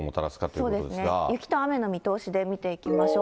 そうですね、雪と雨の見通しで見ていきましょう。